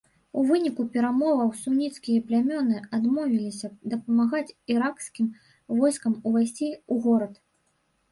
У выніку перамоваў суніцкія плямёны адмовіліся дапамагаць іракскім войскам увайсці ў горад.